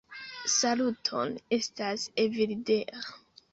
"Saluton, estas Evildea.